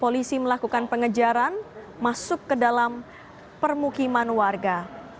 polisi melakukan pengejaran masuk ke dalam permukiman warga